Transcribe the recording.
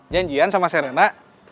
janjian sama serena